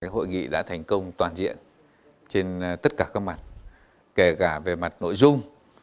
hội nghị đã thành công toàn diện trên tất cả các mặt kể cả về mặt nội dung